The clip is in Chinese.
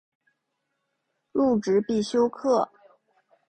入职必修课